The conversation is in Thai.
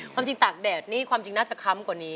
ความจริงตากแดดนี่ความจริงน่าจะค้ำกว่านี้